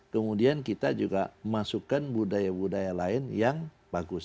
kemudian kita juga masukkan budaya budaya lain yang bagus